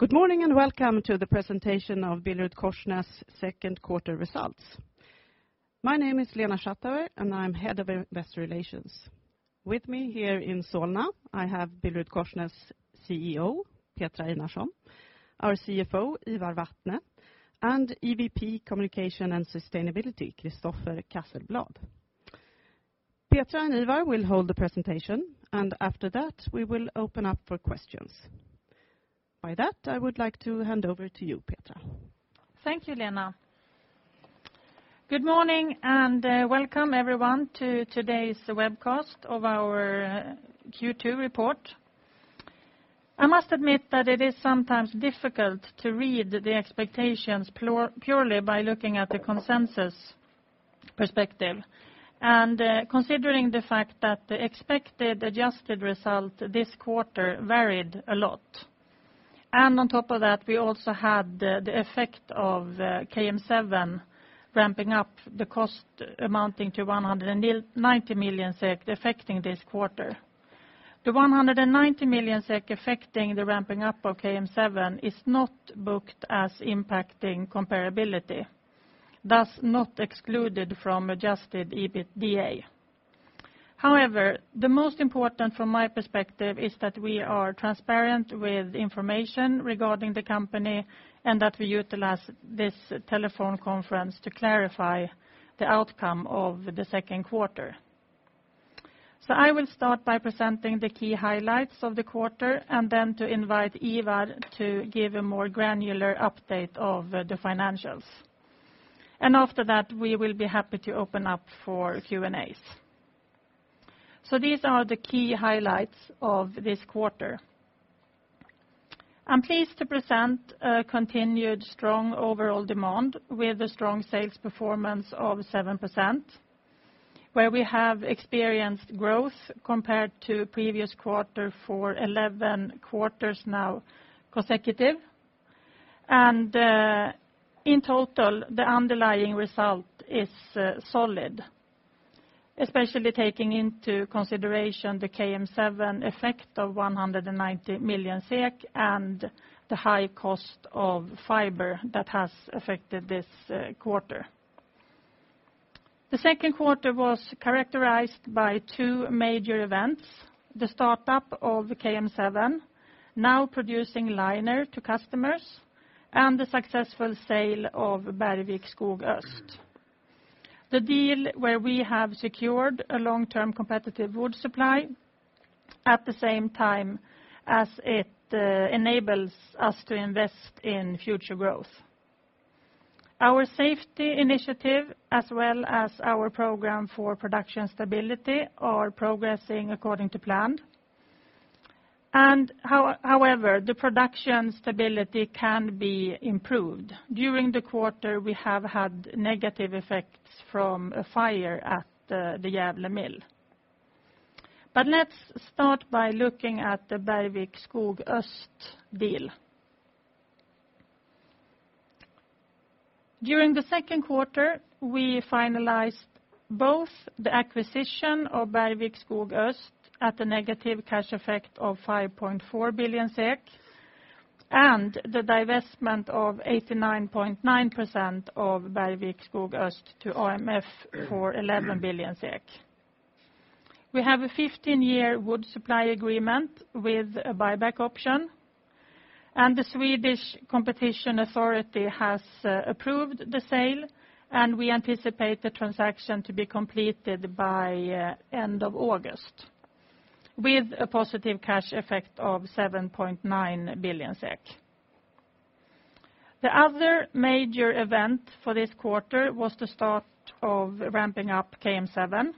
Good morning, and welcome to the presentation of BillerudKorsnäs second quarter results. My name is Lena Schattauer, and I'm head of investor relations. With me here in Solna, I have BillerudKorsnäs CEO, Petra Einarsson, our CFO, Ivar Vatne, and EVP Communication and Sustainability, Christopher Casselblad. Petra and Ivar will hold the presentation, and after that, we will open up for questions. I would like to hand over to you, Petra. Thank you, Lena. Good morning and welcome everyone to today's webcast of our Q2 report. I must admit that it is sometimes difficult to read the expectations purely by looking at the consensus perspective, considering the fact that the expected adjusted result this quarter varied a lot. On top of that, we also had the effect of KM7 ramping up the cost amounting to 190 million SEK affecting this quarter. The 190 million SEK affecting the ramping up of KM7 is not booked as impacting comparability, thus not excluded from adjusted EBITDA. The most important from my perspective is that we are transparent with information regarding the company and that we utilize this telephone conference to clarify the outcome of the second quarter. I will start by presenting the key highlights of the quarter and then to invite Ivar to give a more granular update of the financials. After that, we will be happy to open up for Q&As. These are the key highlights of this quarter. I'm pleased to present a continued strong overall demand with a strong sales performance of 7%, where we have experienced growth compared to previous quarter for 11 quarters now consecutive. In total, the underlying result is solid, especially taking into consideration the KM7 effect of 190 million SEK and the high cost of fiber that has affected this quarter. The second quarter was characterized by two major events, the startup of KM7 now producing liner to customers and the successful sale of Bergvik Skog Öst. The deal where we have secured a long-term competitive wood supply at the same time as it enables us to invest in future growth. Our safety initiative, as well as our program for production stability, are progressing according to plan. The production stability can be improved. During the quarter, we have had negative effects from a fire at the Gävle mill. Let's start by looking at the Bergvik Skog Öst deal. During the second quarter, we finalized both the acquisition of Bergvik Skog Öst at a negative cash effect of 5.4 billion SEK and the divestment of 89.9% of Bergvik Skog Öst to AMF for 11 billion SEK. We have a 15-year wood supply agreement with a buyback option. The Swedish Competition Authority has approved the sale, and we anticipate the transaction to be completed by end of August with a positive cash effect of 7.9 billion SEK. The other major event for this quarter was the start of ramping up KM7.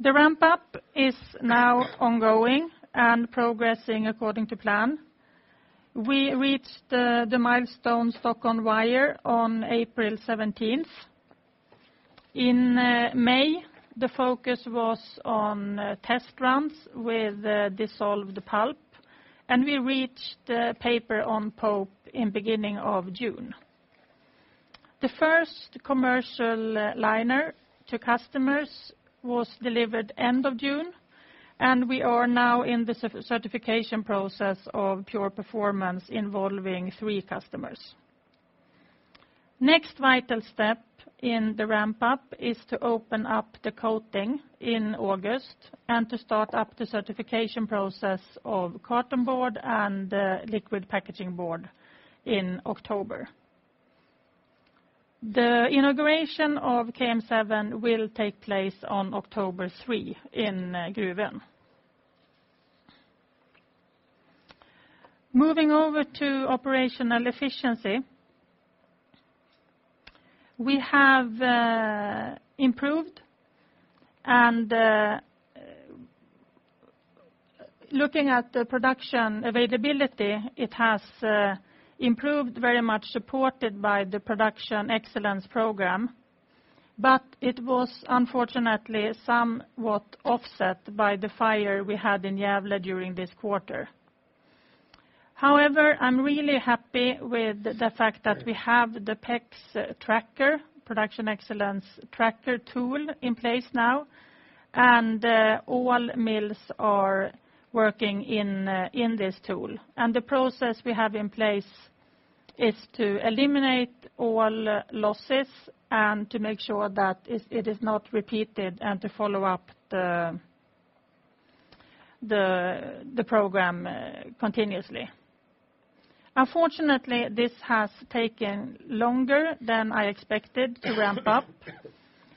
The ramp-up is now ongoing and progressing according to plan. We reached the milestone stock on wire on April 17th. In May, the focus was on test runs with dissolving pulp, and we reached paper on pope in beginning of June. The first commercial liner to customers was delivered end of June. We are now in the certification process of Pure Performance involving three customers. Next vital step in the ramp-up is to open up the coating in August to start up the certification process of cartonboard and liquid packaging board in October. The inauguration of KM7 will take place on October 3 in Gruvön. Moving over to operational efficiency. We have improved. Looking at the production availability, it has improved very much, supported by the Production Excellence program. It was unfortunately somewhat offset by the fire we had in Gävle during this quarter. I'm really happy with the fact that we have the PEX tracker, Production Excellence tracker tool in place now. All mills are working in this tool. The process we have in place is to eliminate all losses and to make sure that it is not repeated and to follow up the program continuously. This has taken longer than I expected to ramp up.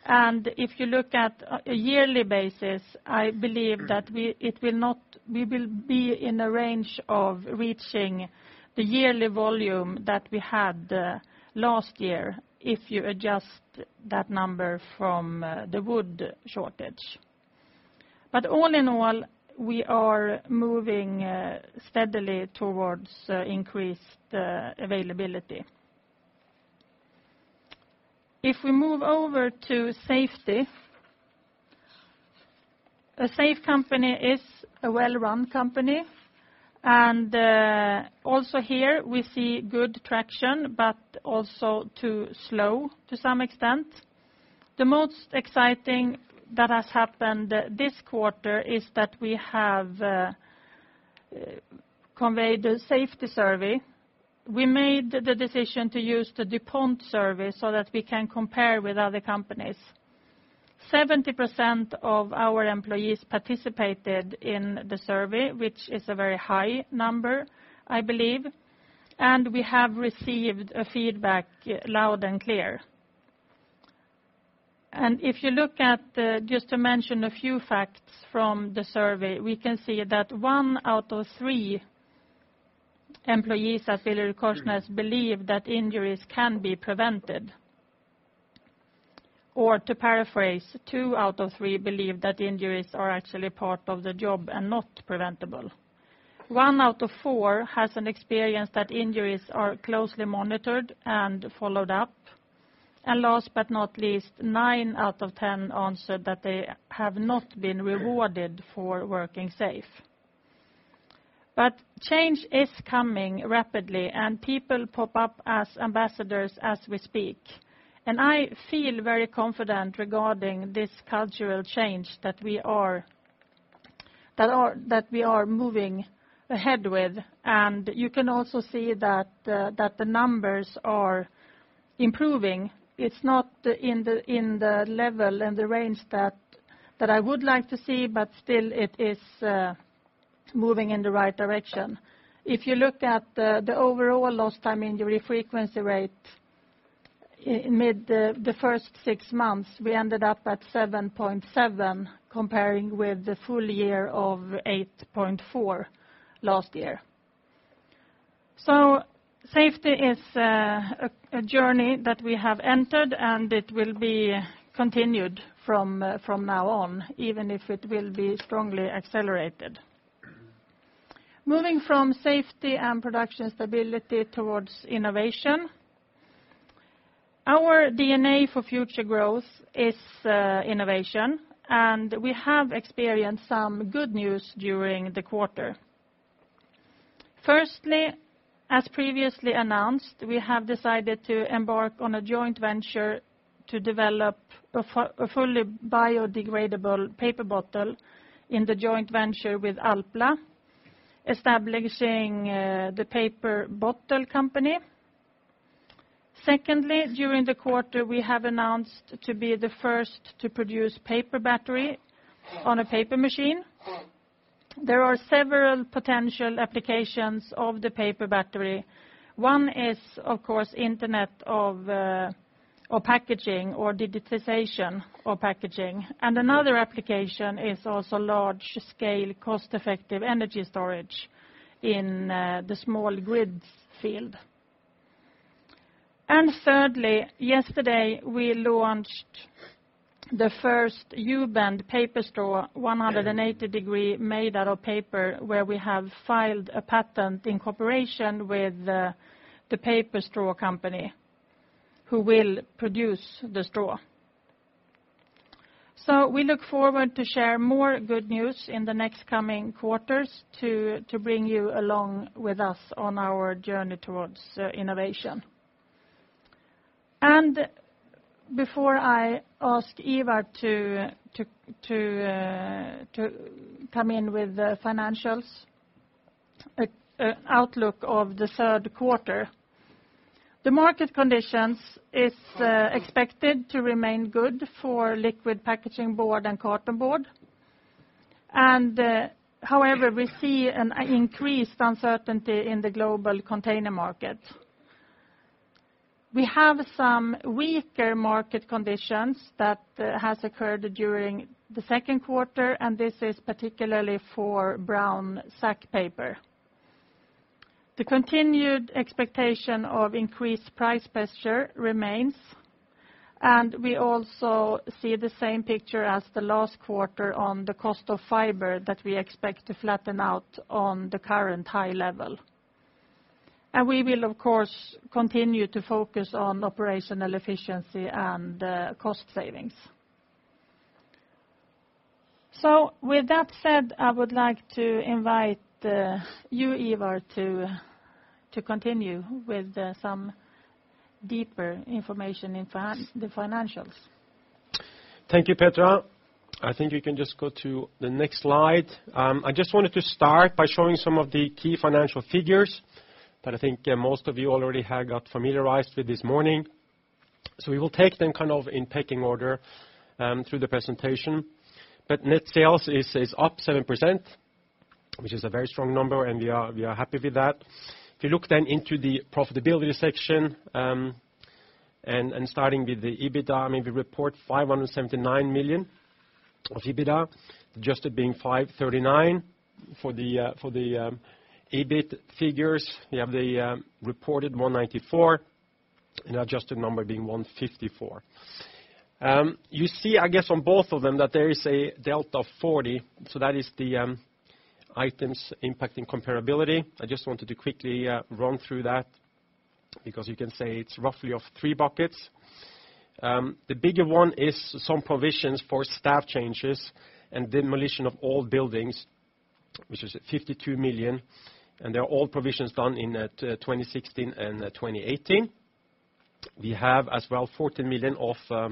If you look at a yearly basis, I believe that we will be in a range of reaching the yearly volume that we had last year if you adjust that number from the wood shortage. All in all, we are moving steadily towards increased availability. If we move over to safety, a safe company is a well-run company. Also here we see good traction, too slow to some extent. The most exciting that has happened this quarter is that we have conveyed a safety survey. We made the decision to use the DuPont survey so that we can compare with other companies. 70% of our employees participated in the survey, which is a very high number, I believe. We have received feedback loud and clear. If you look at the, just to mention a few facts from the survey, we can see that one out of three employees at BillerudKorsnäs believe that injuries can be prevented. Or to paraphrase, two out of three believe that injuries are actually part of the job and not preventable. One out of four has an experience that injuries are closely monitored and followed up. Last but not least, nine out of 10 answered that they have not been rewarded for working safe. Change is coming rapidly. People pop up as ambassadors as we speak. I feel very confident regarding this cultural change that we are moving ahead with. You can also see that the numbers are improving. It's not in the level, in the range that I would like to see, still it is moving in the right direction. If you look at the overall lost time injury frequency rate, mid the first six months, we ended up at 7.7, comparing with the full year of 8.4 last year. Safety is a journey that we have entered, and it will be continued from now on, even if it will be strongly accelerated. Moving from safety and production stability towards innovation. Our DNA for future growth is innovation, and we have experienced some good news during the quarter. Firstly, as previously announced, we have decided to embark on a joint venture to develop a fully biodegradable paper bottle in the joint venture with ALPLA, establishing the Paper Bottle Company. Secondly, during the quarter, we have announced to be the first to produce paper battery on a paper machine. There are several potential applications of the paper battery. One is, of course, internet of packaging or digitization of packaging. Another application is also large-scale, cost-effective energy storage in the small grid field. Thirdly, yesterday, we launched the first U-Bend paper straw, 180 degrees, made out of paper, where we have filed a patent in cooperation with The Paper Straw Company, who will produce the straw. We look forward to share more good news in the next coming quarters to bring you along with us on our journey towards innovation. Before I ask Ivar to come in with the financials, outlook of the third quarter, the market conditions is expected to remain good for liquid packaging board and cartonboard. However, we see an increased uncertainty in the global container market. We have some weaker market conditions that has occurred during the second quarter, and this is particularly for brown sack paper. The continued expectation of increased price pressure remains, we also see the same picture as the last quarter on the cost of fiber that we expect to flatten out on the current high level. We will, of course, continue to focus on operational efficiency and cost savings. With that said, I would like to invite you, Ivar, to continue with some deeper information in the financials. Thank you, Petra. I think we can just go to the next slide. I just wanted to start by showing some of the key financial figures that I think most of you already have got familiarized with this morning. We will take them in pecking order through the presentation. Net sales is up 7%, which is a very strong number, and we are happy with that. If you look then into the profitability section, and starting with the EBITDA, we report 579 million of EBITDA, adjusted being 539 million. For the EBIT figures, we have the reported 194 million and adjusted number being 154 million. You see, I guess on both of them that there is a delta of 40 million, that is the items impacting comparability. I just wanted to quickly run through that because you can say it's roughly of three buckets. The bigger one is some provisions for staff changes and demolition of old buildings, which is at 52 million. They are all provisions done in 2016 and 2018. We have as well 40 million of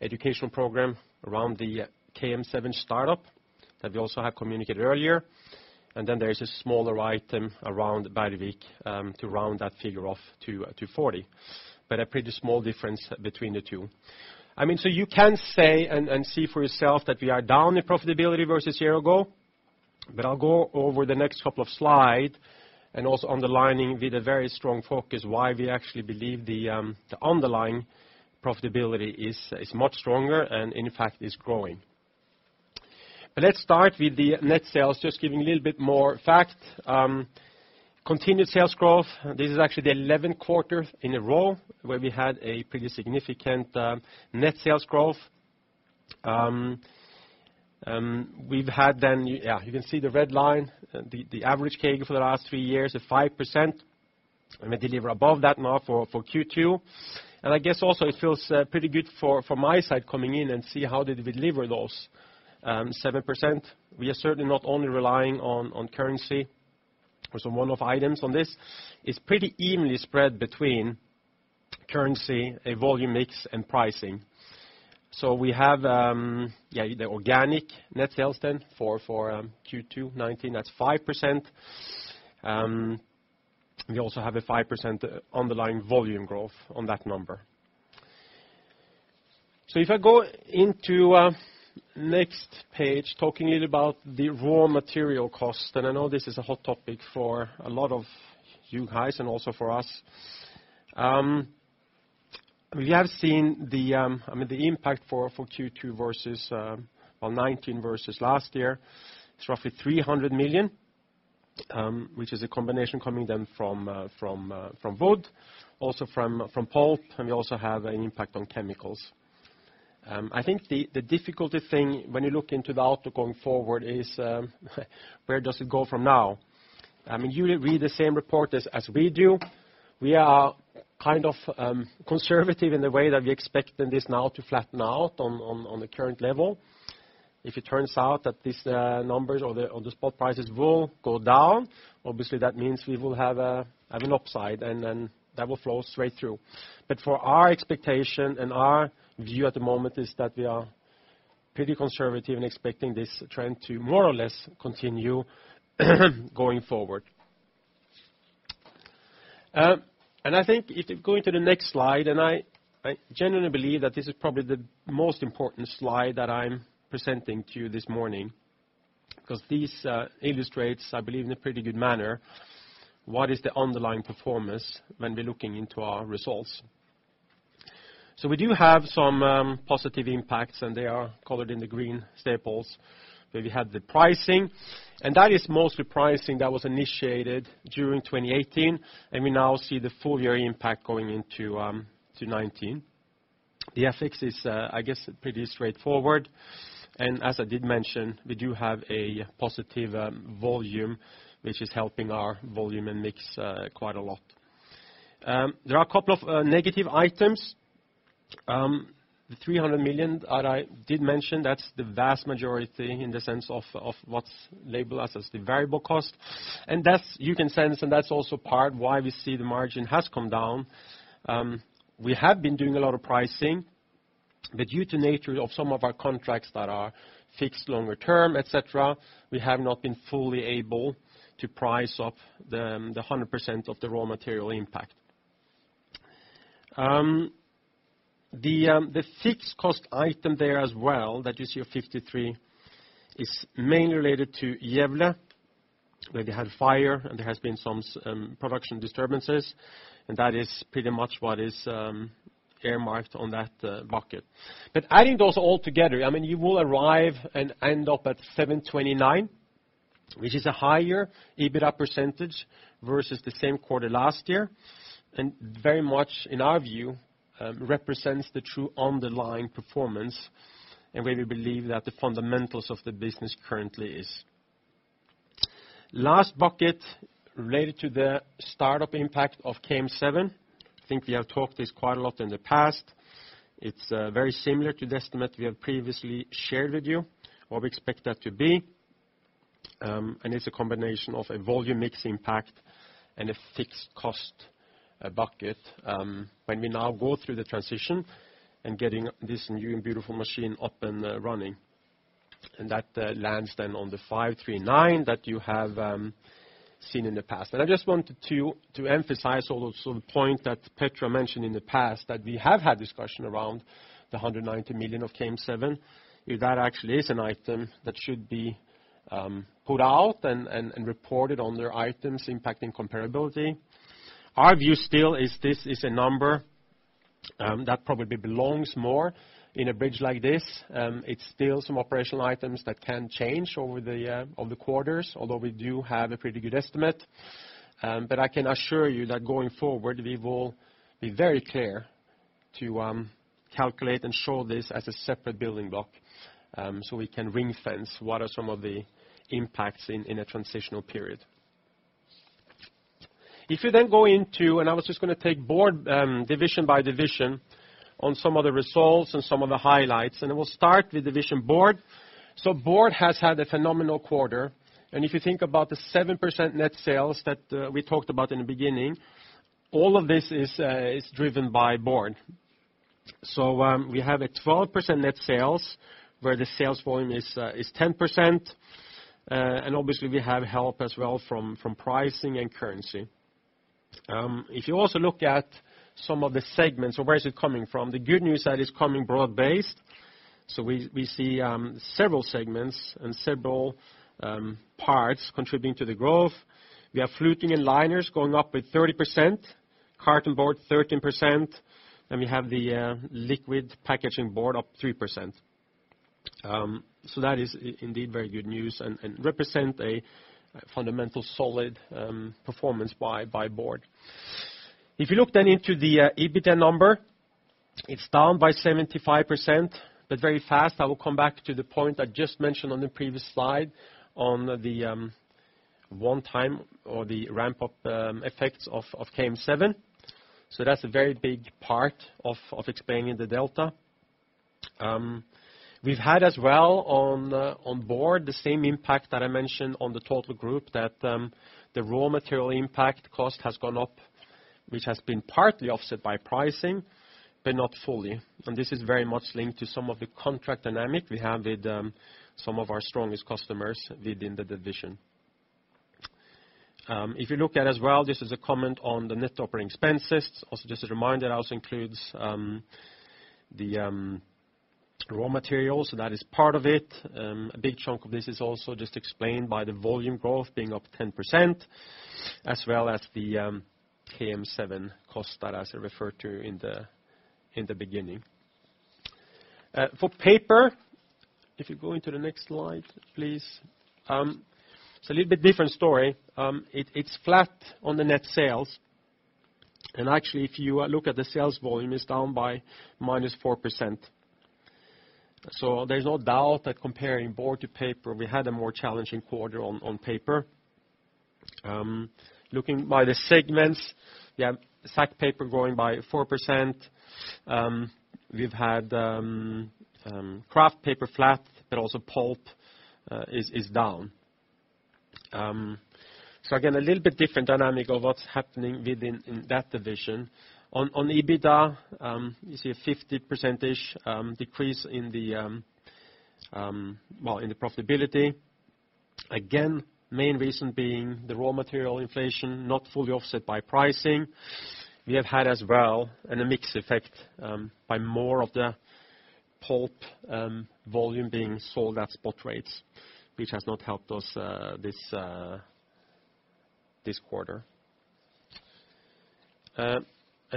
educational program around the KM7 startup that we also have communicated earlier. There is a smaller item around Barrevik to round that figure off to 40. A pretty small difference between the two. You can say and see for yourself that we are down in profitability versus a year ago. I'll go over the next couple of slides and also underlining with a very strong focus why we actually believe the underlying profitability is much stronger and in fact is growing. Let's start with the net sales, just giving a little bit more fact. Continued sales growth. This is actually the 11th quarter in a row where we had a pretty significant net sales growth. You can see the red line, the average CAGR for the last three years of 5%. We deliver above that now for Q2. I guess also it feels pretty good from my side coming in and see how did we deliver those 7%. We are certainly not only relying on currency or some one-off items on this. It's pretty evenly spread between currency, volume mix, and pricing. We have the organic net sales then for Q2 2019, that's 5%. We also have a 5% underlying volume growth on that number. If I go into next page talking a little about the raw material cost, I know this is a hot topic for a lot of you guys and also for us. We have seen the impact for Q2 2019 versus last year. It's roughly 300 million, which is a combination coming then from wood, also from pulp. We also have an impact on chemicals. I think the difficult thing when you look into the outlook going forward is where does it go from now? You read the same report as we do. We are kind of conservative in the way that we expecting this now to flatten out on the current level. If it turns out that these numbers or the spot prices will go down, obviously that means we will have an upside. That will flow straight through. For our expectation and our view at the moment is that we are pretty conservative in expecting this trend to more or less continue going forward. I think if you go into the next slide, I genuinely believe that this is probably the most important slide that I'm presenting to you this morning. These illustrates, I believe in a pretty good manner, what is the underlying performance when we're looking into our results. We do have some positive impacts. They are colored in the green staples, where we have the pricing. That is mostly pricing that was initiated during 2018. We now see the full year impact going into 2019. The FX is, I guess pretty straightforward. As I did mention, we do have a positive volume, which is helping our volume and mix quite a lot. There are a couple of negative items. The 300 million that I did mention, that's the vast majority in the sense of what's labeled as the variable cost. You can sense, that is also part why we see the margin has come down. We have been doing a lot of pricing, but due to nature of some of our contracts that are fixed longer term, et cetera, we have not been fully able to price up the 100% of the raw material impact. The fixed cost item there as well that you see of 53 is mainly related to Gävle, where they had fire and there has been some production disturbances, and that is pretty much what is earmarked on that bucket. Adding those all together, you will arrive and end up at 729, which is a higher EBITDA percentage versus the same quarter last year. Very much, in our view, represents the true underlying performance and where we believe that the fundamentals of the business currently is. Last bucket related to the startup impact of KM7. I think we have talked this quite a lot in the past. It's very similar to the estimate we have previously shared with you, what we expect that to be. It's a combination of a volume mix impact and a fixed cost bucket. When we now go through the transition and getting this new and beautiful machine up and running, that lands then on the 539 that you have seen in the past. I just wanted to emphasize also the point that Petra mentioned in the past, that we have had discussion around the 190 million of KM7. If that actually is an item that should be put out and reported on their items impacting comparability. Our view still is this is a number that probably belongs more in a bridge like this. It's still some operational items that can change over the quarters, although we do have a pretty good estimate. I can assure you that going forward, we will be very clear to calculate and show this as a separate building block, so we can ring-fence what are some of the impacts in a transitional period. I was just going to take Board division by division on some of the results and some of the highlights. We'll start with division Board. Board has had a phenomenal quarter. If you think about the 7% net sales that we talked about in the beginning, all of this is driven by Board. We have a 12% net sales where the sales volume is 10%, obviously we have help as well from pricing and currency. If you also look at some of the segments, where is it coming from? The good news that is coming broad-based. We see several segments and several parts contributing to the growth. We have fluting and liners going up with 30%, cartonboard 13%, then we have the liquid packaging board up 3%. That is indeed very good news and represent a fundamental solid performance by Board. If you look then into the EBITDA number, it's down by 75%, very fast, I will come back to the point I just mentioned on the previous slide on the one time or the ramp-up effects of KM7. That's a very big part of explaining the delta. We've had as well on Board, the same impact that I mentioned on the total group that the raw material impact cost has gone up, which has been partly offset by pricing, but not fully. This is very much linked to some of the contract dynamic we have with some of our strongest customers within the division. If you look at as well, this is a comment on the net operating expenses. Just a reminder, it also includes the raw materials, so that is part of it. A big chunk of this is also just explained by the volume growth being up 10%, as well as the KM7 cost that I referred to in the beginning. For paper, if you go into the next slide, please. It's a little bit different story. It's flat on the net sales, actually if you look at the sales volume, it's down by -4%. There's no doubt that comparing Board to paper, we had a more challenging quarter on paper. Looking by the segments, we have sack paper growing by 4%. We've had kraft paper flat, but also pulp is down. Again, a little bit different dynamic of what's happening within that division. On EBITDA, you see a 50%ish decrease in the profitability. Again, main reason being the raw material inflation not fully offset by pricing. We have had as well in a mix effect by more of the pulp volume being sold at spot rates, which has not helped us this quarter.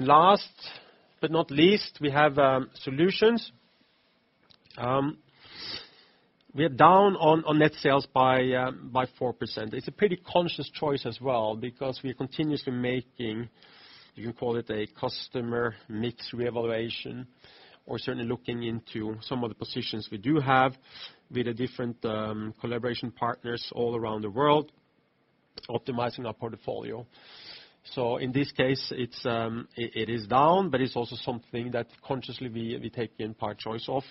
Last but not least, we have solutions. We are down on net sales by 4%. It's a pretty conscious choice as well, because we are continuously making, you can call it a customer mix reevaluation, or certainly looking into some of the positions we do have with the different collaboration partners all around the world, optimizing our portfolio. In this case, it is down, but it's also something that consciously we take in part choice of.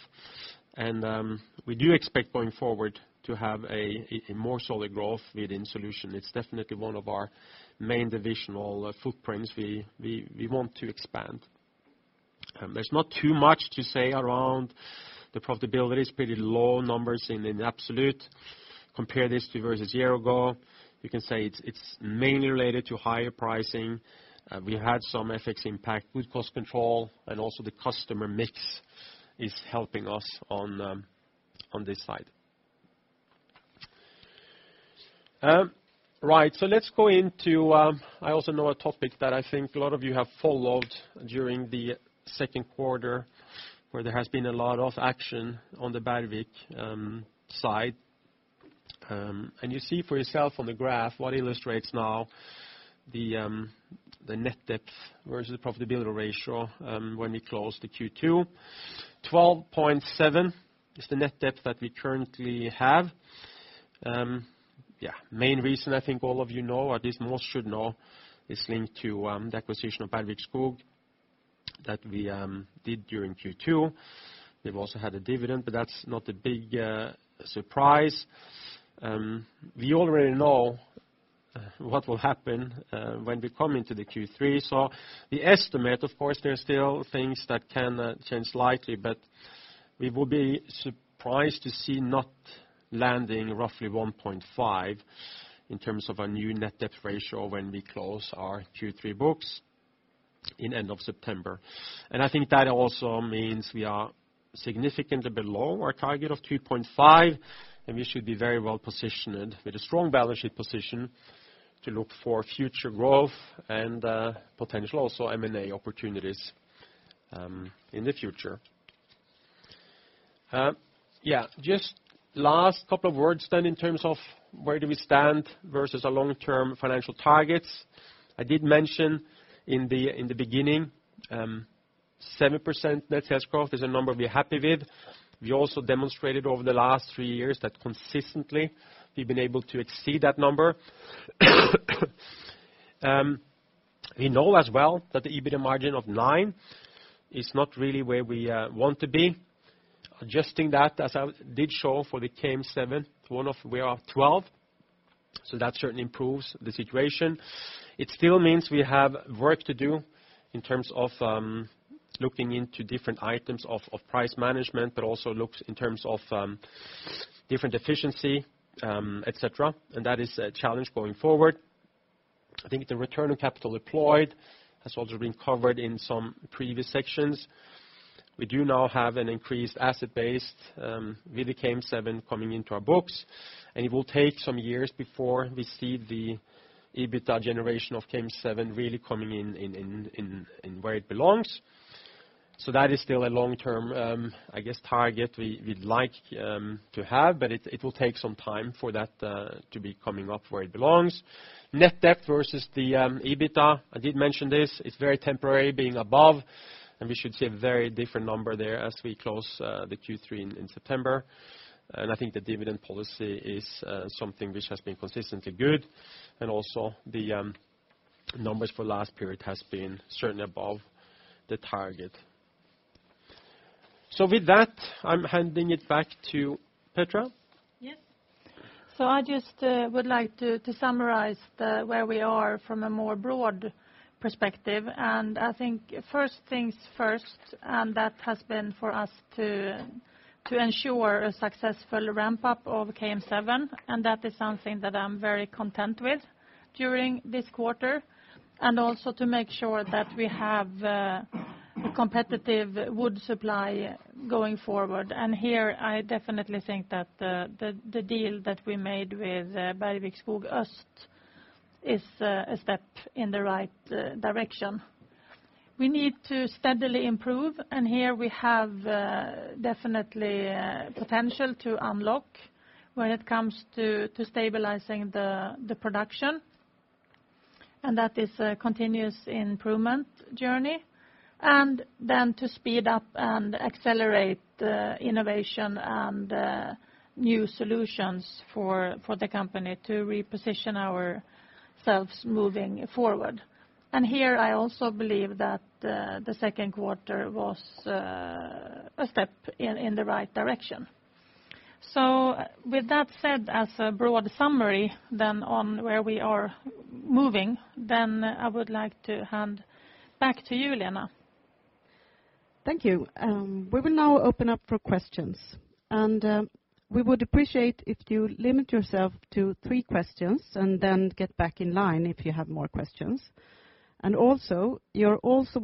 We do expect going forward to have a more solid growth within solution. It's definitely one of our main divisional footprints we want to expand. There's not too much to say around the profitability. It's pretty low numbers in absolute. Compare this to versus a year ago. You can say it's mainly related to higher pricing. We had some FX impact with cost control and also the customer mix is helping us on this side. Right. Let's go into, I also know a topic that I think a lot of you have followed during the second quarter, where there has been a lot of action on the Bergvik site. You see for yourself on the graph what illustrates now the net debt versus the profitability ratio when we closed the Q2. 12.7 is the net debt that we currently have. Main reason I think all of you know, at least most should know, is linked to the acquisition of Bergvik Skog that we did during Q2. We've also had a dividend, but that's not a big surprise. We already know what will happen when we come into the Q3. The estimate, of course, there are still things that can change slightly, but we will be surprised to see not landing roughly 1.5 in terms of a new net debt ratio when we close our Q3 books in end of September. I think that also means we are significantly below our target of 2.5, and we should be very well-positioned with a strong balance sheet position to look for future growth and potential also M&A opportunities in the future. Just last couple of words then in terms of where do we stand versus our long-term financial targets. I did mention in the beginning, 7% net sales growth is a number we're happy with. We also demonstrated over the last 3 years that consistently we've been able to exceed that number. We know as well that the EBITDA margin of nine is not really where we want to be. Adjusting that, as I did show for the KM7, one of where are 12, so that certainly improves the situation. It still means we have work to do in terms of looking into different items of price management, but also looks in terms of different efficiency, et cetera. That is a challenge going forward. I think the return on capital deployed has also been covered in some previous sections. We do now have an increased asset base with the KM7 coming into our books, and it will take some years before we see the EBITDA generation of KM7 really coming in where it belongs. So that is still a long-term, I guess, target we'd like to have, but it will take some time for that to be coming up where it belongs. Net debt versus the EBITDA, I did mention this, it's very temporary being above, and we should see a very different number there as we close the Q3 in September. I think the dividend policy is something which has been consistently good, and also the numbers for last period has been certainly above the target. With that, I'm handing it back to Petra. Yes. I just would like to summarize where we are from a more broad perspective. I think first things first, and that has been for us to ensure a successful ramp-up of KM7, and that is something that I'm very content with during this quarter. Also to make sure that we have a competitive wood supply going forward. Here I definitely think that the deal that we made with Bergvik Skog Öst is a step in the right direction. We need to steadily improve, and here we have definitely potential to unlock when it comes to stabilizing the production, and that is a continuous improvement journey. Then to speed up and accelerate innovation and new solutions for the company to reposition ourselves moving forward. Here I also believe that the second quarter was a step in the right direction. With that said, as a broad summary on where we are moving, I would like to hand back to you, Lena. Thank you. We will now open up for questions. We would appreciate if you limit yourself to three questions and then get back in line if you have more questions. Also, you are always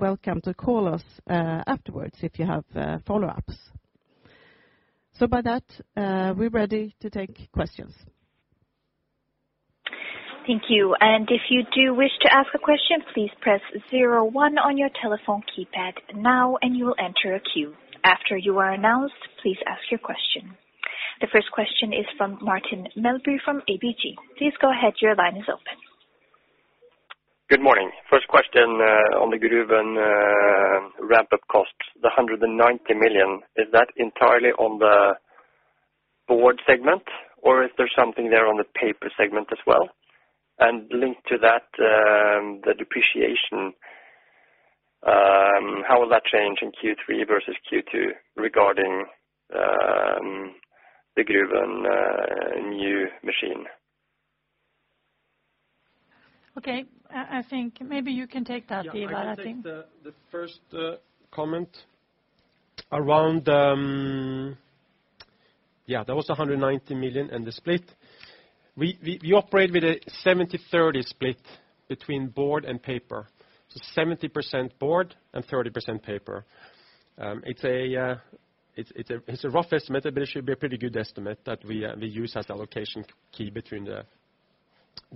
welcome to call us afterwards if you have follow-ups. With that, we are ready to take questions. Thank you. If you do wish to ask a question, please press 01 on your telephone keypad now and you will enter a queue. After you are announced, please ask your question. The first question is from Martin Melbye from ABG. Please go ahead, your line is open. Good morning. First question on the Gruvön ramp-up costs, the 190 million, is that entirely on the board segment, or is there something there on the paper segment as well? Linked to that, the depreciation, how will that change in Q3 versus Q2 regarding the Gruvön new machine? Okay, I think maybe you can take that, Ivar, I think. Yeah, I can take the first comment. That was 190 million and the split. We operate with a 70/30 split between board and paper, so 70% board and 30% paper. It's a rough estimate, but it should be a pretty good estimate that we use as allocation key between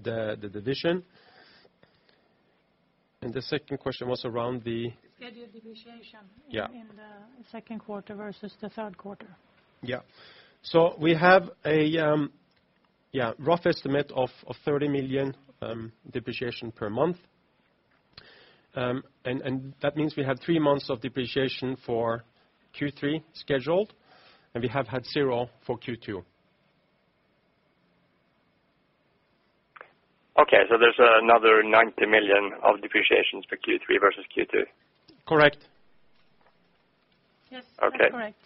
the division. The second question was around the- Scheduled depreciation- Yeah In the second quarter versus the third quarter. Yeah. We have a rough estimate of 30 million depreciation per month. That means we have three months of depreciation for Q3 scheduled, and we have had zero for Q2. Okay, there's another 90 million of depreciation for Q3 versus Q2? Correct. Yes. Okay. That's correct.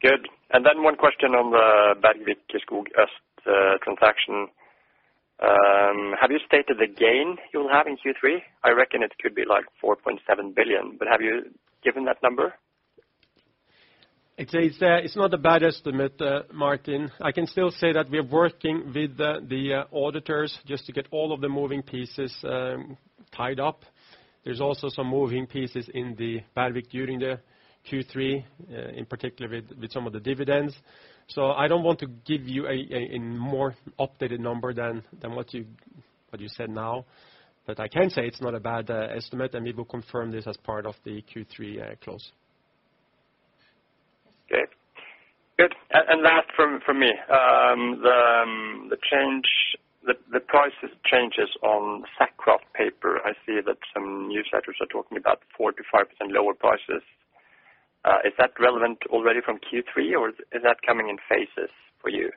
Good. One question on the Bergvik Skog transaction. Have you stated the gain you'll have in Q3? I reckon it could be like 4.7 billion, have you given that number? It's not a bad estimate, Martin. I can still say that we are working with the auditors just to get all of the moving pieces tied up. There's also some moving pieces in the Bergvik during the Q3, in particular with some of the dividends. I don't want to give you a more updated number than what you said now, but I can say it's not a bad estimate, and we will confirm this as part of the Q3 close. Yes. Okay. Good. Last from me, the price changes on sack kraft paper, I see that some newsletters are talking about 4%-5% lower prices. Is that relevant already from Q3, or is that coming in phases for you?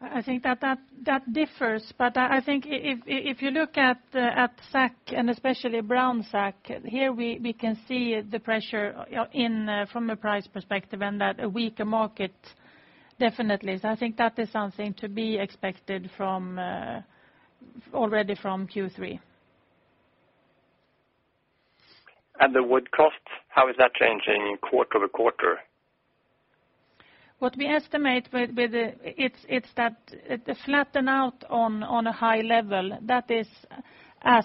I think that differs, but I think if you look at sack and especially brown sack, here we can see the pressure from a price perspective and that a weaker market, definitely. I think that is something to be expected already from Q3. The wood cost, how is that changing quarter-over-quarter? What we estimate, it is that it flattens out on a high level. That is as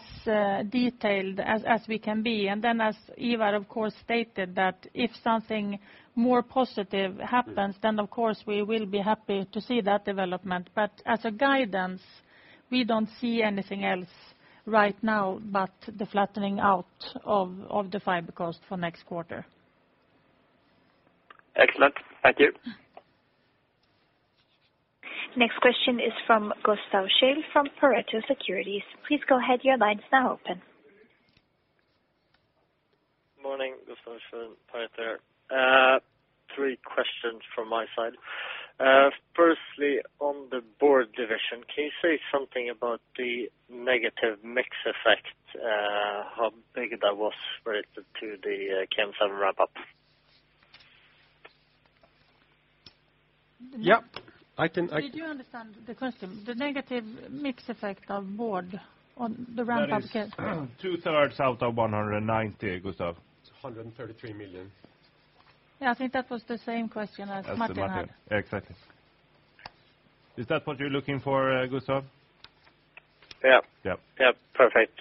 detailed as we can be. As Ivar, of course, stated that if something more positive happens, of course, we will be happy to see that development. As a guidance, we don't see anything else right now but the flattening out of the fiber cost for next quarter. Excellent. Thank you. Next question is from Gustaf Schwerin from Pareto Securities. Please go ahead, your line is now open. Morning, Gustaf Schwerin, Pareto. Three questions from my side. Firstly, on the board division, can you say something about the negative mix effect, how big that was related to the KM7 ramp-up? Yeah. Did you understand the question? The negative mix effect of board on the ramp-up scale. That is two-thirds out of 190, Gustaf. 133 million. Yeah, I think that was the same question as Martin had. As Martin had. Exactly. Is that what you're looking for, Gustaf? Yeah. Yeah. Yeah. Perfect.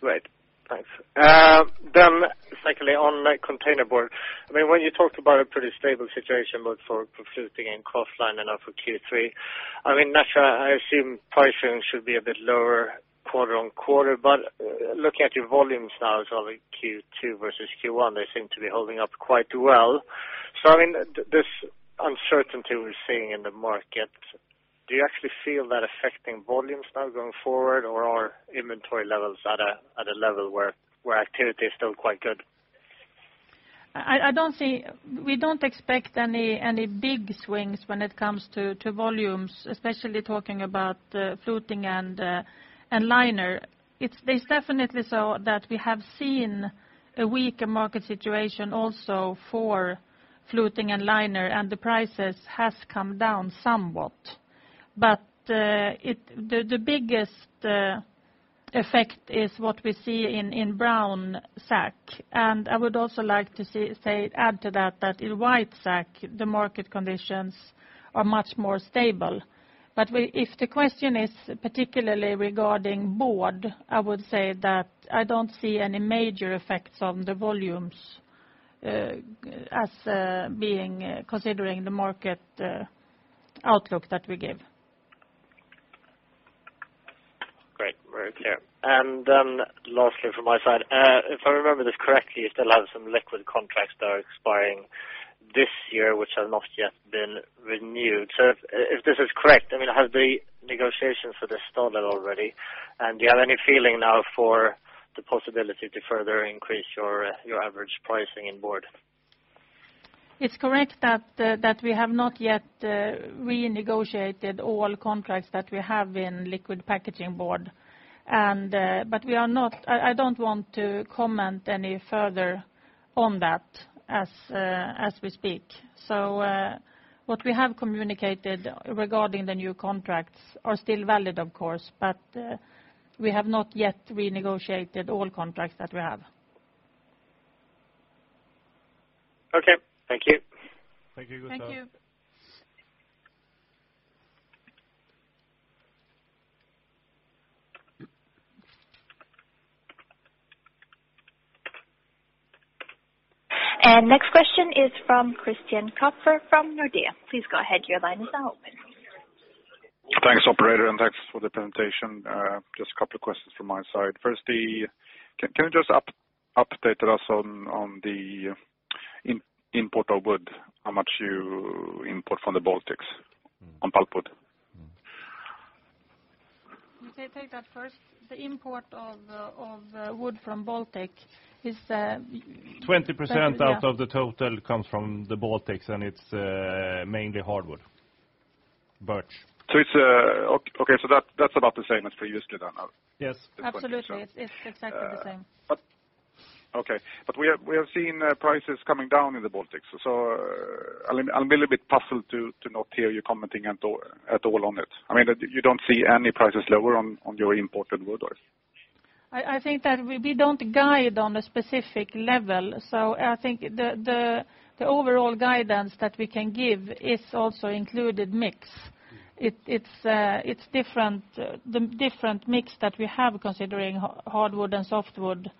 Great. Thanks. Secondly, on containerboard. When you talked about a pretty stable situation both for fluting and kraftliner and now for Q3, I assume pricing should be a bit lower quarter-on-quarter, but looking at your volumes now of Q2 versus Q1, they seem to be holding up quite well. This uncertainty we're seeing in the market, do you actually feel that affecting volumes now going forward, or are inventory levels at a level where activity is still quite good? We don't expect any big swings when it comes to volumes, especially talking about fluting and liner. It's definitely so that we have seen a weaker market situation also for fluting and liner, and the prices has come down somewhat. The biggest effect is what we see in brown sack. I would also like to add to that in white sack, the market conditions are much more stable. If the question is particularly regarding board, I would say that I don't see any major effects on the volumes as considering the market outlook that we give. Great, very clear. Lastly from my side, if I remember this correctly, you still have some liquid contracts that are expiring this year which have not yet been renewed. If this is correct, have the negotiations for this started already? Do you have any feeling now for the possibility to further increase your average pricing in board? It's correct that we have not yet renegotiated all contracts that we have in liquid packaging board. I don't want to comment any further on that as we speak. What we have communicated regarding the new contracts are still valid, of course, but we have not yet renegotiated all contracts that we have. Okay. Thank you. Thank you, Gustaf. Thank you. Next question is from Christian Kopfer from Nordea. Please go ahead. Your line is now open. Thanks, operator, and thanks for the presentation. Just a couple of questions from my side. Firstly, can you just update us on the import of wood? How much you import from the Baltics on pulpwood? I take that first. The import of wood from Baltic is. 20% out of the total comes from the Baltics, and it's mainly hardwood. birch. Okay, that's about the same as previously then? Yes. Absolutely. It's exactly the same. Okay. We have seen prices coming down in the Baltics. I'm a little bit puzzled to not hear you commenting at all on it. You don't see any prices lower on your imported wood? I think that we don't guide on a specific level. I think the overall guidance that we can give is also included mix. It's the different mix that we have considering hardwood and softwood.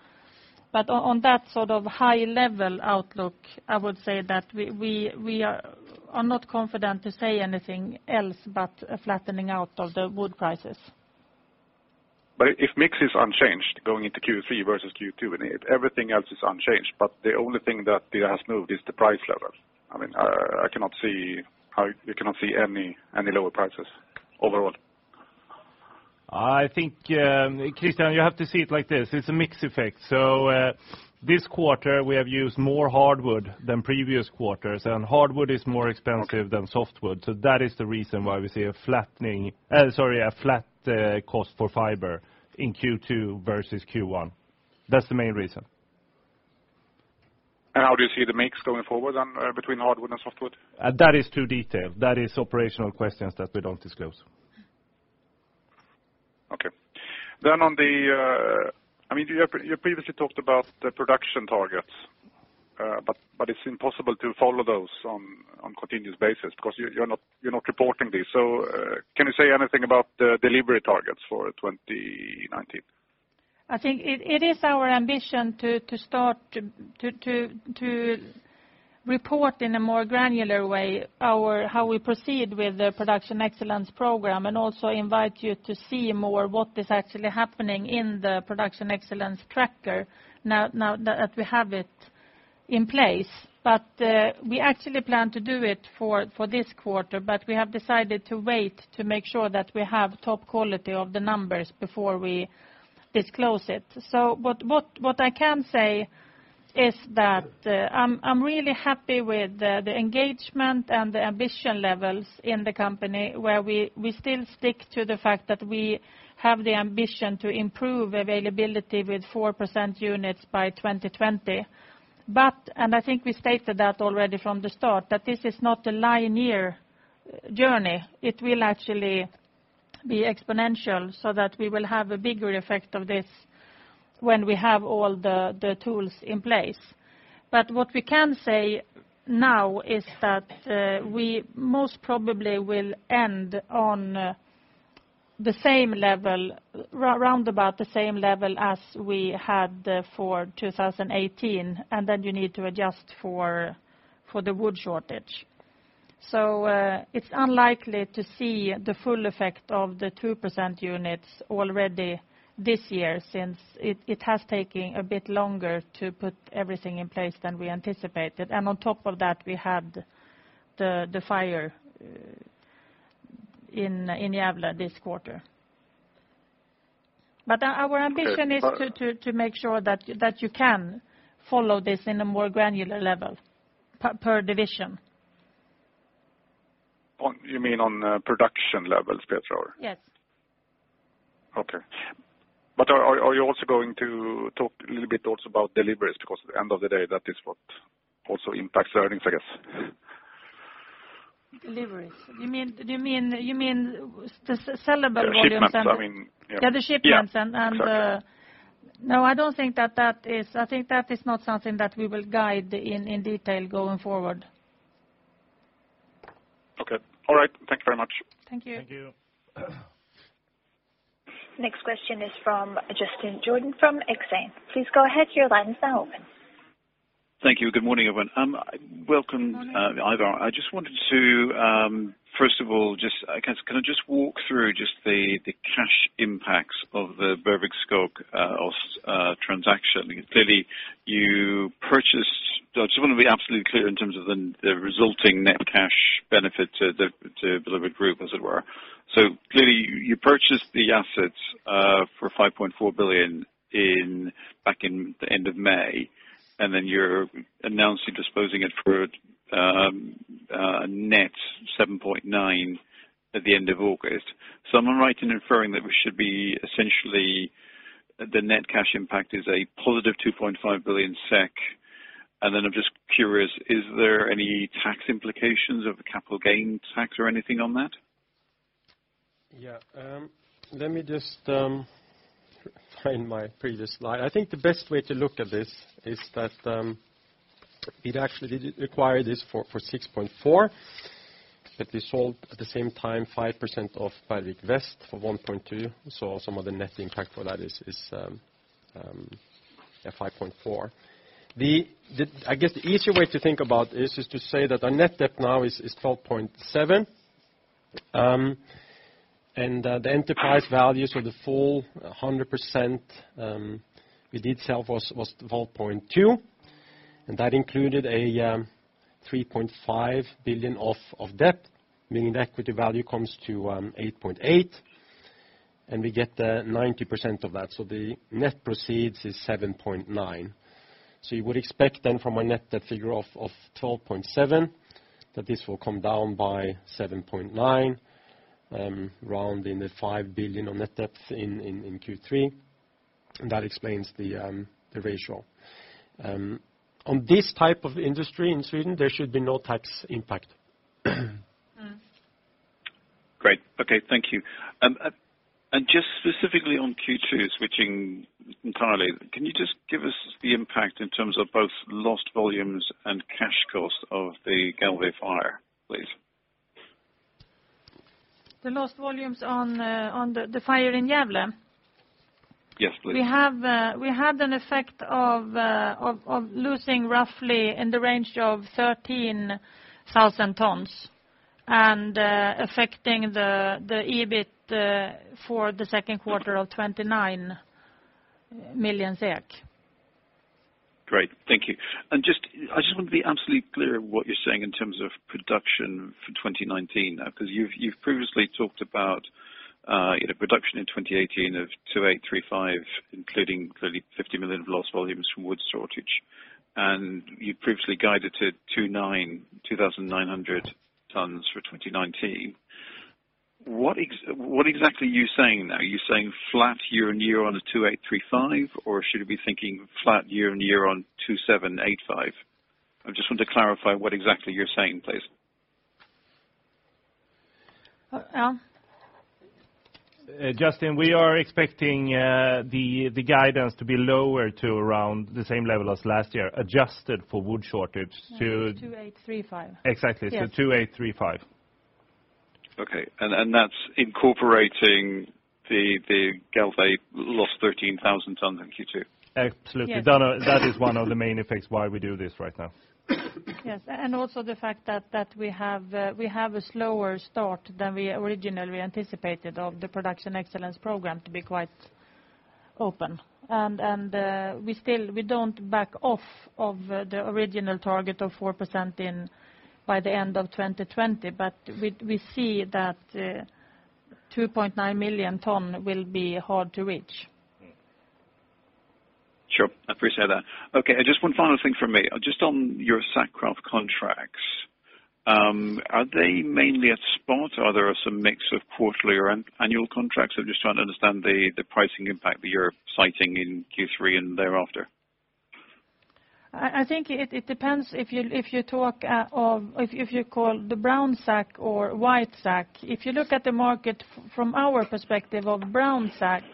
On that sort of high level outlook, I would say that we are not confident to say anything else but a flattening out of the wood prices. If mix is unchanged going into Q3 versus Q2, if everything else is unchanged, the only thing that has moved is the price level. You cannot see any lower prices overall? I think, Christian, you have to see it like this. It's a mix effect. This quarter we have used more hardwood than previous quarters, hardwood is more expensive than softwood. That is the reason why we see a flat cost for fiber in Q2 versus Q1. That's the main reason. How do you see the mix going forward then between hardwood and softwood? That is too detailed. That is operational questions that we don't disclose. Okay. You previously talked about the production targets, but it's impossible to follow those on continuous basis because you're not reporting this. Can you say anything about the delivery targets for 2019? I think it is our ambition to report in a more granular way how we proceed with the Production Excellence program, and also invite you to see more what is actually happening in the Production Excellence tracker now that we have it in place. We actually planned to do it for this quarter, but we have decided to wait to make sure that we have top quality of the numbers before we disclose it. What I can say is that I'm really happy with the engagement and the ambition levels in the company where we still stick to the fact that we have the ambition to improve availability with 4% units by 2020. And I think we stated that already from the start, that this is not a linear journey. It will actually be exponential so that we will have a bigger effect of this when we have all the tools in place. What we can say now is that we most probably will end on round about the same level as we had for 2018, and then you need to adjust for the wood shortage. It's unlikely to see the full effect of the 2% units already this year, since it has taken a bit longer to put everything in place than we anticipated. On top of that, we had the fire in Gävle this quarter. Our ambition is to make sure that you can follow this in a more granular level per division. You mean on production levels, Petra, or? Yes. Are you also going to talk a little bit also about deliveries? Because at the end of the day, that is what also impacts earnings, I guess. Deliveries. You mean the sellable volume? The shipments. Yeah, the shipments. Yeah, exactly. No, I don't think that is not something that we will guide in detail going forward. Okay. All right. Thank you very much. Thank you. Thank you. Next question is from Justin Jordan from Exane. Please go ahead, your line is now open. Thank you. Good morning, everyone. Good morning. Welcome, Ivar. First of all, can I just walk through just the cash impacts of the Bergvik Skog transaction? I just want to be absolutely clear in terms of the resulting net cash benefit to Billerud group, as it were. Clearly, you purchased the assets for 5.4 billion back in the end of May, and then you're announcing disposing it for a net 7.9 billion at the end of August. Am I right in inferring that we should be essentially the net cash impact is a positive 2.5 billion SEK? And then I'm just curious, is there any tax implications of a capital gains tax or anything on that? Yeah. Let me just find my previous slide. I think the best way to look at this is that it actually required this for 6.4 billion. We sold at the same time 5% of Bergvik Skog Väst for 1.2 billion. Some of the net impact for that is at 5.4 billion. I guess the easier way to think about this is to say that our net debt now is 12.7 billion, and the enterprise value, so the full 100% we did sell was 12.2 billion, and that included a 3.5 billion of debt, meaning the equity value comes to 8.8 billion, and we get the 90% of that. The net proceeds is 7.9 billion. You would expect then from a net debt figure of 12.7 billion, that this will come down by 7.9 billion, around in the 5 billion of net debt in Q3, and that explains the ratio. On this type of industry in Sweden, there should be no tax impact. Great. Okay, thank you. Just specifically on Q2, switching entirely, can you just give us the impact in terms of both lost volumes and cash costs of the Gävle fire, please? The lost volumes on the fire in Gävle? Yes, please. We had an effect of losing roughly in the range of 13,000 tons and affecting the EBIT for the second quarter of 29 million SEK. Great. Thank you. I just want to be absolutely clear what you are saying in terms of production for 2019 now, because you have previously talked about production in 2018 of 2,835, including 50 million of lost volumes from wood shortage. You previously guided to 2,900 tons for 2019. What exactly are you saying now? Are you saying flat year-over-year on a 2,835, or should we be thinking flat year-over-year on 2,785? I just want to clarify what exactly you are saying, please. Well. Justin, we are expecting the guidance to be lower to around the same level as last year, adjusted for wood shortage to. 2,835. Exactly. Yes. 2,835. Okay. That is incorporating the Gävle lost 13,000 tons in Q2? Absolutely. Yes. That is one of the main effects why we do this right now. Yes. Also the fact that we have a slower start than we originally anticipated of the Production Excellence program to be quite open. We don't back off of the original target of 4% by the end of 2020, but we see that 2.9 million ton will be hard to reach. Sure. I appreciate that. Okay, just one final thing from me. Just on your sack kraft contracts, are they mainly a spot or are there some mix of quarterly or annual contracts? I'm just trying to understand the pricing impact that you're citing in Q3 and thereafter. I think it depends if you call the brown sack or white sack. If you look at the market from our perspective of brown sack,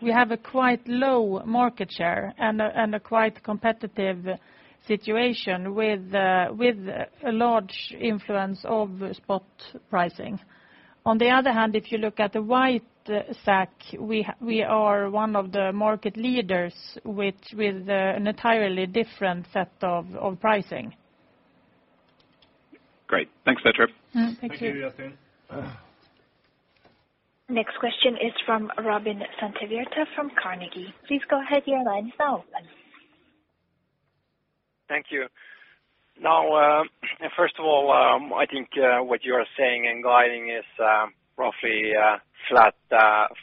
we have a quite low market share and a quite competitive situation with a large influence of spot pricing. On the other hand, if you look at the white sack, we are one of the market leaders with an entirely different set of pricing. Great. Thanks, Petra. Thank you. Thank you, Justin. Next question is from Robin Santavirta from Carnegie. Please go ahead, your line is now open. Thank you. First of all, I think what you are saying and guiding is roughly flat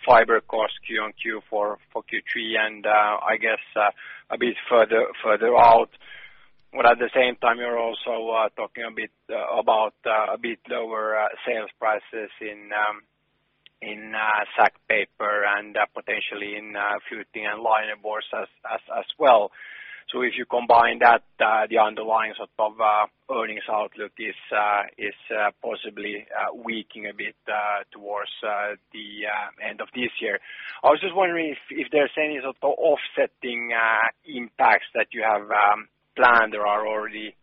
fiber cost Q on Q for Q3, and I guess a bit further out. At the same time, you are also talking a bit about a bit lower sales prices in sack paper and potentially in fluting and liner boards as well. If you combine that, the underlying sort of earnings outlook is possibly weakening a bit towards the end of this year. I was just wondering if there is any sort of offsetting impacts that you have planned or are already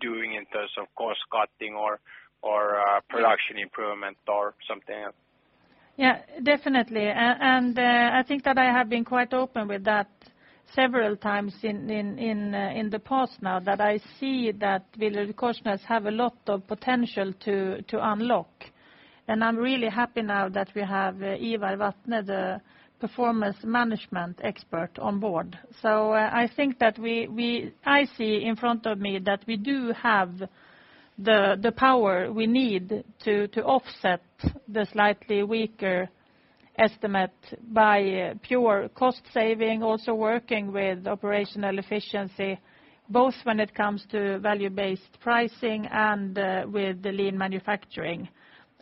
doing in terms of cost cutting or production improvement or something else? Yeah, definitely. I think that I have been quite open with that several times in the past now that I see that BillerudKorsnäs have a lot of potential to unlock. I am really happy now that we have Ivar Vatne, the performance management expert on board. I think that I see in front of me that we do have the power we need to offset the slightly weaker estimate by pure cost saving, also working with operational efficiency, both when it comes to value-based pricing and with the lean manufacturing.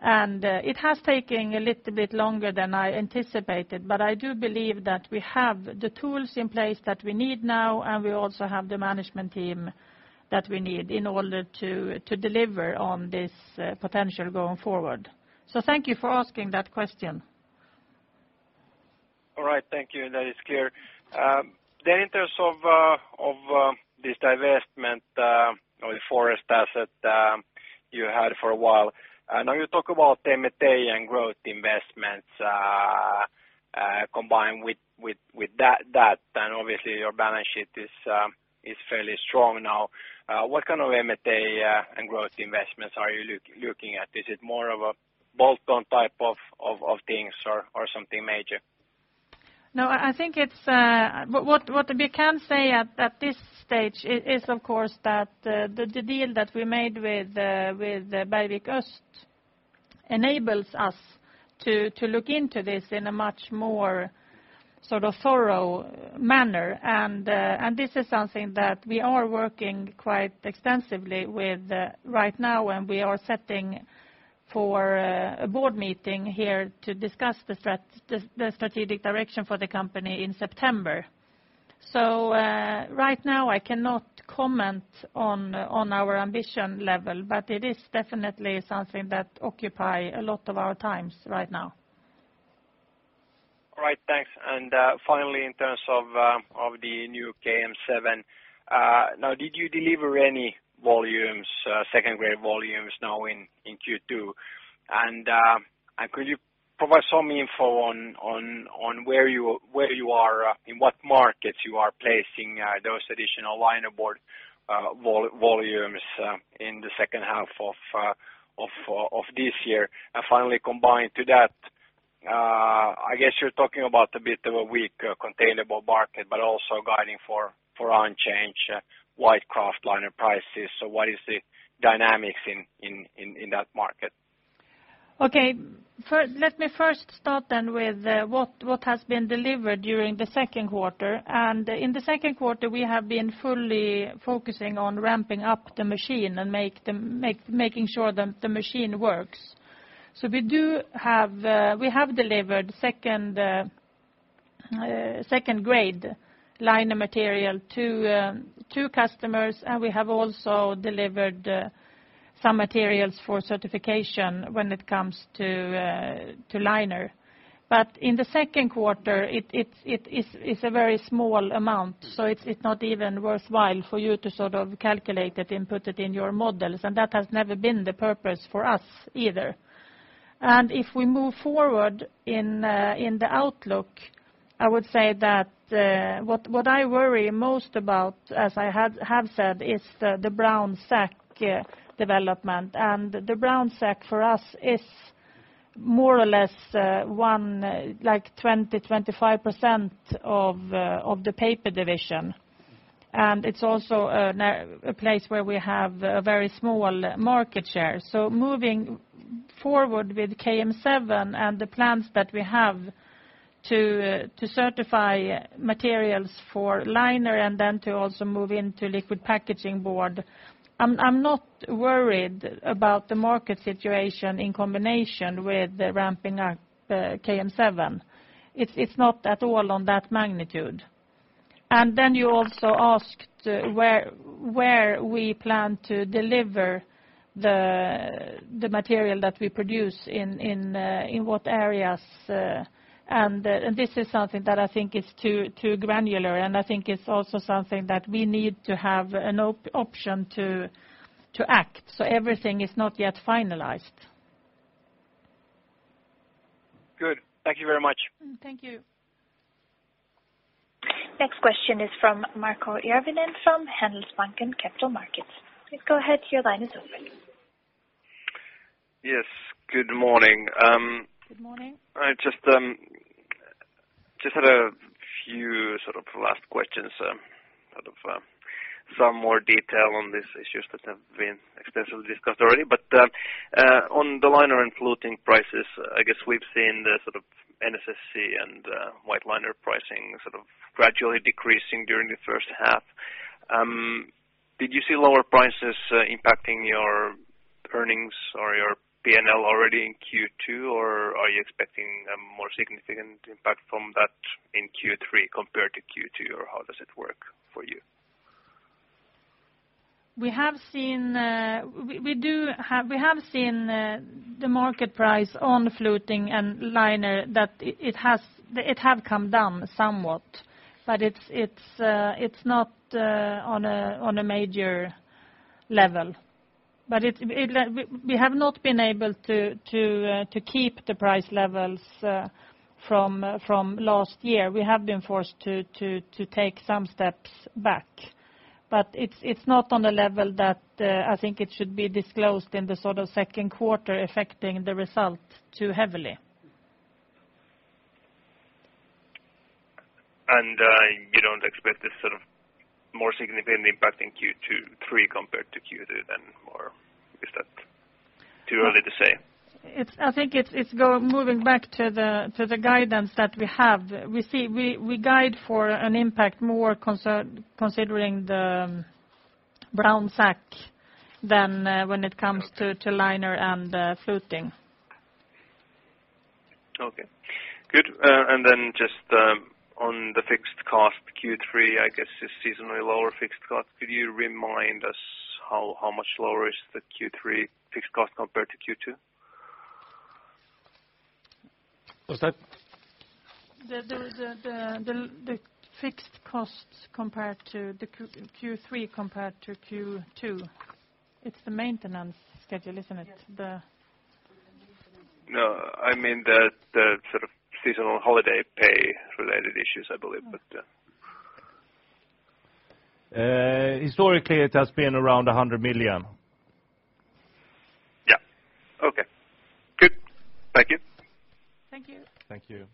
It has taken a little bit longer than I anticipated, I do believe that we have the tools in place that we need now, and we also have the management team that we need in order to deliver on this potential going forward. Thank you for asking that question. All right, thank you. That is clear. In terms of this divestment of the forest asset you had for a while. I know you talk about M&A and growth investments combined with that, and obviously your balance sheet is fairly strong now. What kind of M&A and growth investments are you looking at? Is it more of a bolt-on type of things or something major? No, what we can say at this stage is, of course, that the deal that we made with Bergvik Öst enables us to look into this in a much more thorough manner, this is something that we are working quite extensively with right now, we are setting for a board meeting here to discuss the strategic direction for the company in September. Right now I cannot comment on our ambition level, it is definitely something that occupy a lot of our times right now. All right, thanks. Finally, in terms of the new KM7. Did you deliver any second-grade volumes now in Q2? Could you provide some info on where you are, in what markets you are placing those additional linerboard volumes in the second half of this year? Finally, combined to that, I guess you're talking about a bit of a weak containerboard market, but also guiding for unchanged white kraft liner prices. What is the dynamics in that market? Okay. Let me first start with what has been delivered during the second quarter. In the second quarter, we have been fully focusing on ramping up the machine and making sure the machine works. We have delivered second-grade liner material to customers, we have also delivered some materials for certification when it comes to liner. In the second quarter, it's a very small amount, it's not even worthwhile for you to calculate it and put it in your models. That has never been the purpose for us either. If we move forward in the outlook, I would say that what I worry most about, as I have said, is the brown sack development. The brown sack for us is more or less 20%-25% of the paper division. It's also a place where we have a very small market share. Moving forward with KM7 and the plans that we have to certify materials for liner to also move into liquid packaging board, I'm not worried about the market situation in combination with the ramping up KM7. It's not at all on that magnitude. You also asked where we plan to deliver the material that we produce, in what areas. This is something that I think is too granular, I think it's also something that we need to have an option to act. Everything is not yet finalized. Good. Thank you very much. Thank you. Next question is from Markku Järvinen from Handelsbanken Capital Markets. Please go ahead, your line is open. Yes, good morning. Good morning. I just had a few last questions, out of some more detail on these issues that have been extensively discussed already. On the liner and fluting prices, I guess we've seen the NSSC and white liner pricing gradually decreasing during the first half. Did you see lower prices impacting your earnings or your P&L already in Q2, or are you expecting a more significant impact from that in Q3 compared to Q2, or how does it work for you? We have seen the market price on fluting and liner, that it had come down somewhat. It's not on a major level. We have not been able to keep the price levels from last year. We have been forced to take some steps back, but it's not on a level that I think it should be disclosed in the second quarter affecting the result too heavily. You don't expect it more significantly impacting Q3 compared to Q2, or is that too early to say? I think it's moving back to the guidance that we have. We guide for an impact more considering the brown sack than when it comes to liner and fluting. Okay, good. Just on the fixed cost, Q3, I guess, is seasonally lower fixed cost. Could you remind us How much lower is the Q3 fixed cost compared to Q2? What's that? The fixed costs compared to the Q3 compared to Q2. It's the maintenance schedule, isn't it? No, I mean the sort of seasonal holiday pay related issues, I believe. Historically, it has been around 100 million. Yeah. Okay. Good. Thank you. Thank you. Thank you.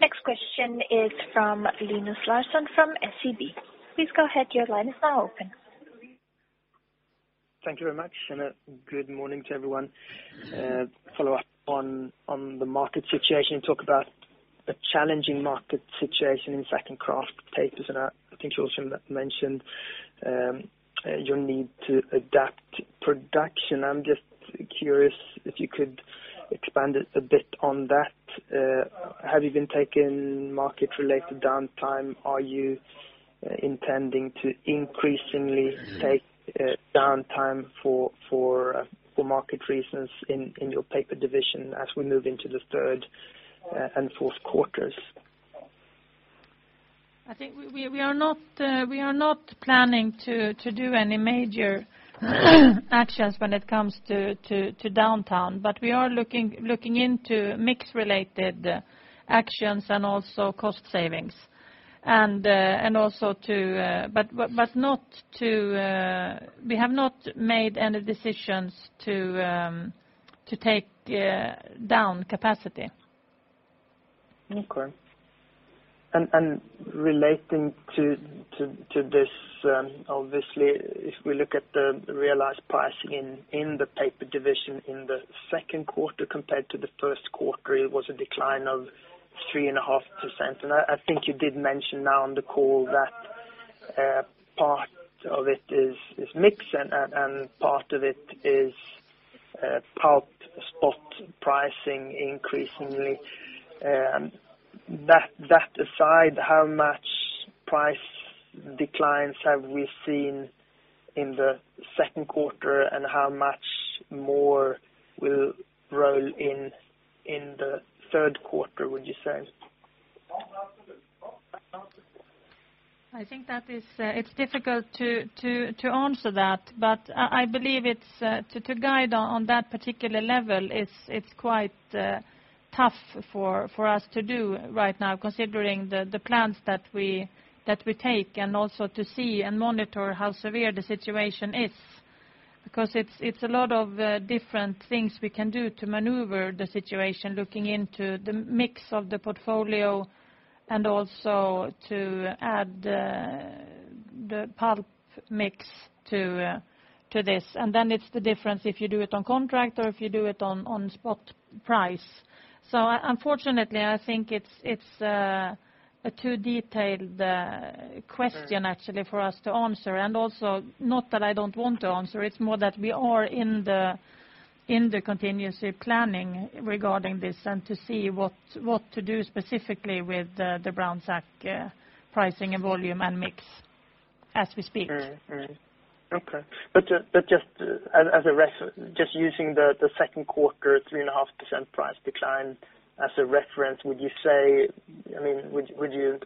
Next question is from Linus Larsson from SEB. Please go ahead. Your line is now open. Thank you very much. Good morning to everyone. Follow up on the market situation, you talk about a challenging market situation in sack and kraft papers. I think you also mentioned your need to adapt production. I am just curious if you could expand a bit on that. Have you been taking market-related downtime? Are you intending to increasingly take downtime for market reasons in your paper division as we move into the third and fourth quarters? I think we are not planning to do any major actions when it comes to downtime. We are looking into mix-related actions and also cost savings. We have not made any decisions to take down capacity. Okay. Relating to this, obviously, if we look at the realized price in the paper division in the second quarter compared to the first quarter, it was a decline of 3.5%. I think you did mention now on the call that part of it is mix and part of it is spot pricing increasingly. That aside, how much price declines have we seen in the second quarter, and how much more will roll in the third quarter, would you say? I think that it's difficult to answer that. I believe to guide on that particular level, it's quite tough for us to do right now, considering the plans that we take, and also to see and monitor how severe the situation is. It's a lot of different things we can do to maneuver the situation, looking into the mix of the portfolio and also to add the pulp mix to this. Then it's the difference if you do it on contract or if you do it on spot price. Unfortunately, I think it's a too detailed question actually for us to answer, and also not that I don't want to answer, it's more that we are in the continuous planning regarding this and to see what to do specifically with the brown sack pricing and volume and mix as we speak. Okay. Just using the second quarter 3.5% price decline as a reference, would you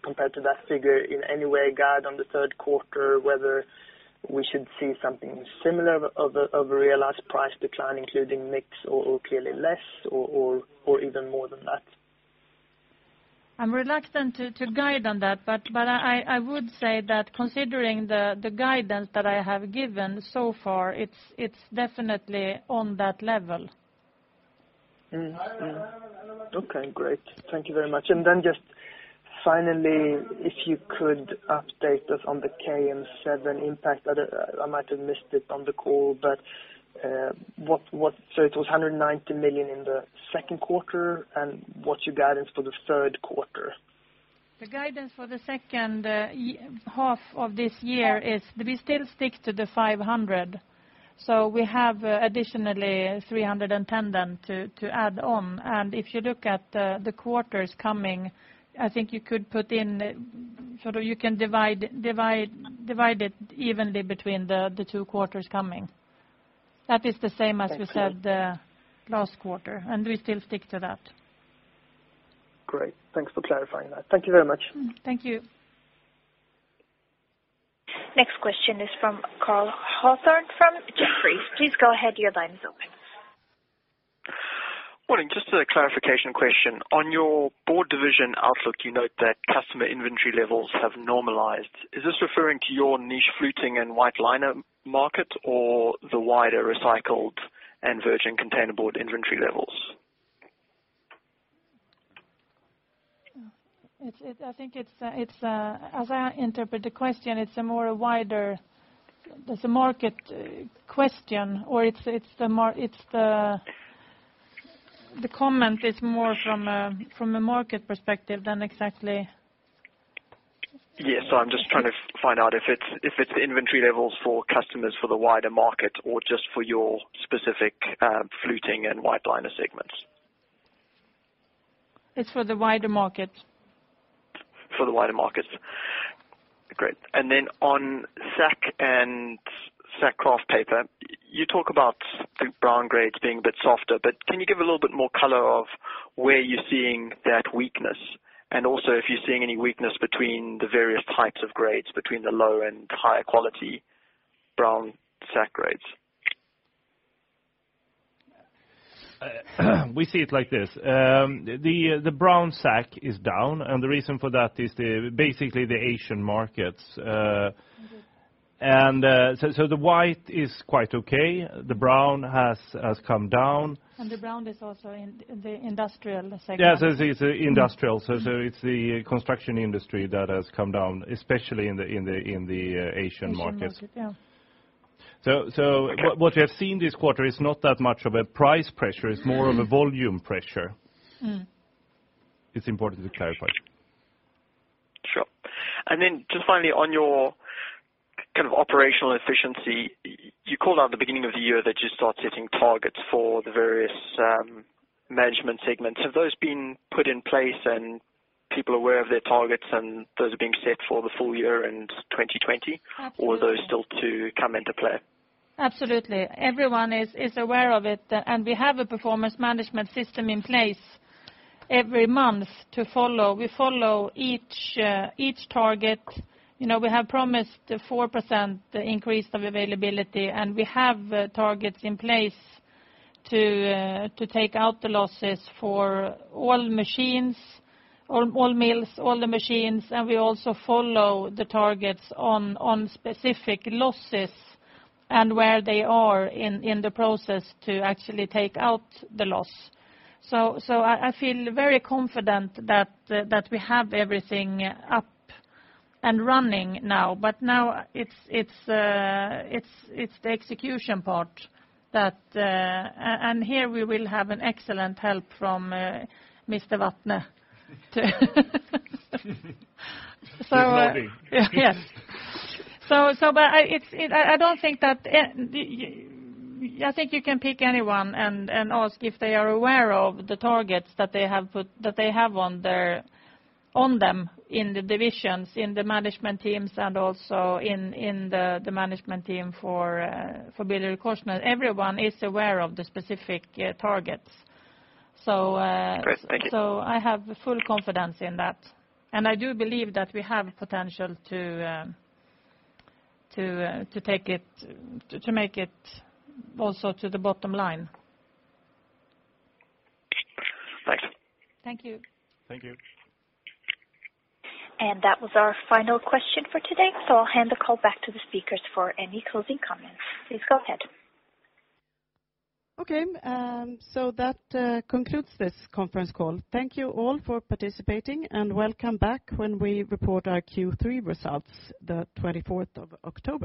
compare to that figure in any way guide on the third quarter whether we should see something similar of a realized price decline including mix or clearly less or even more than that? I'm reluctant to guide on that, but I would say that considering the guidance that I have given so far, it's definitely on that level. Okay, great. Thank you very much. Just finally, if you could update us on the KM7 impact. I might have missed it on the call, so it was 190 million in the second quarter, what's your guidance for the third quarter? The guidance for the second half of this year is we still stick to the 500 million. We have additionally 310 million then to add on. If you look at the quarters coming, I think you can divide it evenly between the two quarters coming. That is the same as we said last quarter, we still stick to that. Great. Thanks for clarifying that. Thank you very much. Thank you. Next question is from Cole Hathorn from Jefferies. Please go ahead. Your line is open. Morning. Just a clarification question. On your board division outlook, you note that customer inventory levels have normalized. Is this referring to your niche fluting and white liner market or the wider recycled and virgin containerboard inventory levels? As I interpret the question, There's a market question or the comment is more from a market perspective. Yes. I'm just trying to find out if it's inventory levels for customers for the wider market or just for your specific fluting and white liner segments. It's for the wider market. For the wider markets. Great. On sack and sack kraft paper, you talk about the brown grades being a bit softer, can you give a little bit more color of where you're seeing that weakness? Also if you're seeing any weakness between the various types of grades, between the low and high quality brown sack grades. We see it like this. The brown sack is down, the reason for that is basically the Asian markets. The white is quite okay. The brown has come down. The brown is also in the industrial segment. Yes, it's industrial. It's the construction industry that has come down, especially in the Asian markets. Asian market, yeah. What we have seen this quarter is not that much of a price pressure, it's more of a volume pressure. It's important to clarify. Sure. Just finally on your kind of operational efficiency, you called out at the beginning of the year that you start setting targets for the various management segments. Have those been put in place and people are aware of their targets and those are being set for the full year and 2020? Absolutely. Are those still to come into play? Absolutely. Everyone is aware of it, and we have a performance management system in place every month to follow. We follow each target. We have promised 4% increase of availability, and we have targets in place to take out the losses for all machines, all mills, all the machines. We also follow the targets on specific losses and where they are in the process to actually take out the loss. I feel very confident that we have everything up and running now. Now it's the execution part, and here we will have an excellent help from Mr. Vatne, too. He's nodding. Yes. I think you can pick anyone and ask if they are aware of the targets that they have on them in the divisions, in the management teams, and also in the management team for BillerudKorsnäs. Everyone is aware of the specific targets. Great. Thank you. I have full confidence in that, and I do believe that we have potential to make it also to the bottom line. Thanks. Thank you. Thank you. That was our final question for today. I'll hand the call back to the speakers for any closing comments. Please go ahead. Okay. That concludes this conference call. Thank you all for participating, welcome back when we report our Q3 results, the 24th of October.